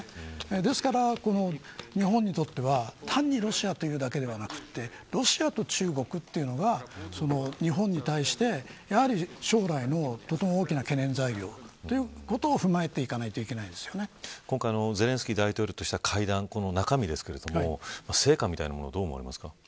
ですから、日本にとっては単にロシアというだけではなくてロシアと中国というのが日本に対して将来のとても大きな懸念材料ということを踏まえていかないと今回ゼレンスキー大統領としては会談の中身ですけど成果はどう思われますか。